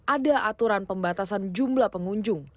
ada aturan pembatasan jumlah pengunjung